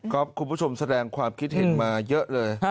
คุณผู้ชมแสดงความคิดเห็นมาเยอะเลย